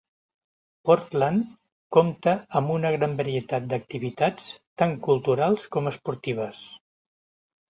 Portland compta amb una gran varietat d'activitats tant culturals com esportives.